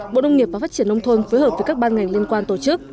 bộ nông nghiệp và phát triển nông thôn phối hợp với các ban ngành liên quan tổ chức